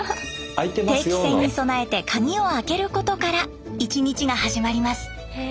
定期船に備えて鍵を開けることから１日が始まります。